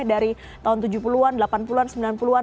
dari tahun tujuh puluh an delapan puluh an sembilan puluh an